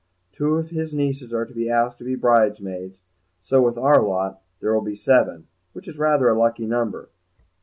Two of his nieces are to be asked to be bridesmaids, so with our lot there will be seven, which is rather a lucky number.